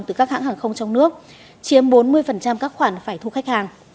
từ các hãng hàng không trong nước chiếm bốn mươi các khoản phải thu khách hàng